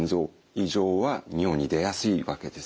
異常は尿に出やすいわけです。